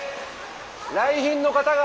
来賓の方が！